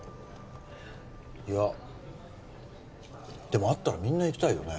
いやでもあったらみんな行きたいよね